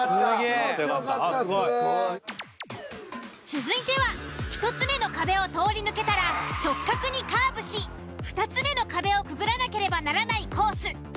続いては１つ目の壁を通り抜けたら直角にカーブし２つ目の壁をくぐらなければならないコース。